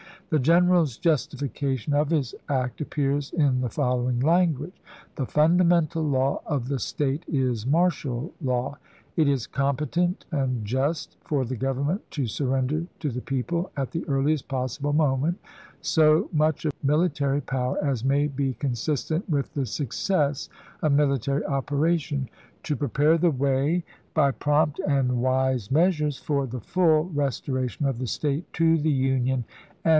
The general's justification of his act appears in the following language :" The fundamental law of the State is martial law. It is competent and just for the Grovernment to surrender to the people, at the earliest possible moment, so much of military power as may be con sistent with the success of military operation ; to prociama prepare the way, by prompt and wise measures, for pLrtiiient the full restoration of the State to the Union and jan.